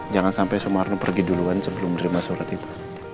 jangan sampai sumarno pergi duluan sebelum menerima surat itu